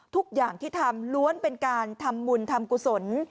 ทุกอย่างที่ทำล้วนเป็นการทำบุญทำกุศล